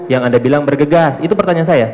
yang anda bilang bergegas itu pertanyaan saya